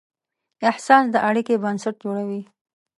احساس د اړیکې بنسټ جوړوي.